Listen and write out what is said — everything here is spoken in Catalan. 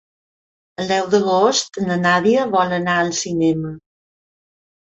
El deu d'agost na Nàdia vol anar al cinema.